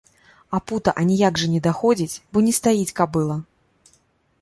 А пута аніяк жа не даходзіць, бо не стаіць кабыла.